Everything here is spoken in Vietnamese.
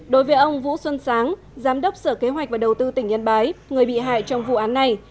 đối với ông vũ xuân sáng giám đốc sở kế hoạch và đầu tư tỉnh yên bái người bị hại trong vụ án này